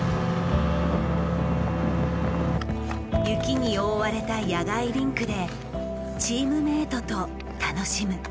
雪に覆われた屋外リンクでチームメートと楽しむ。